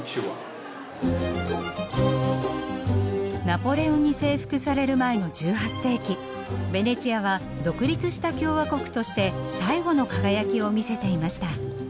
ナポレオンに征服される前の１８世紀ベネチアは独立した共和国として最後の輝きを見せていました。